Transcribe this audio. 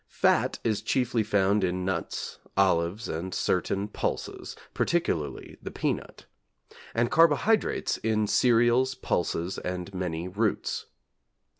Fat is chiefly found in nuts, olives, and certain pulses, particularly the peanut; and carbohydrates in cereals, pulses, and many roots.